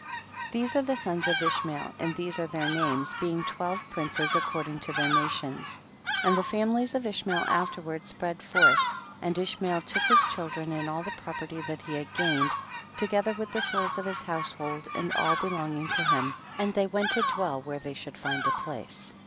1 9. These arc the sons of Ishmael, and these are their names, bei7ig' twelve princes according to their nations ; and the families of Ishmael afterward spread forth, and Ishmael took his children and all the property that he had gained, together with the souls of his household and all belong ing to him, and they went to dwell where they should find a place.